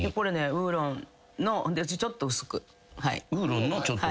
「ウーロンのちょっと薄く」？